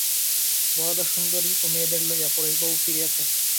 বরদাসুন্দরী ও মেয়েদের লইয়া পরেশবাবু ফিরিয়াছেন।